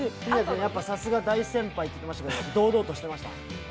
やっぱ、さすが大先輩って言ってましたけど、堂々としてました